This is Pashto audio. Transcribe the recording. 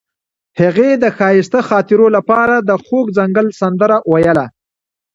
هغې د ښایسته خاطرو لپاره د خوږ ځنګل سندره ویله.